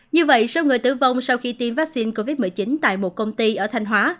như vậy số người tử vong sau khi tiêm vaccine covid một mươi chín tại một công ty ở thanh hóa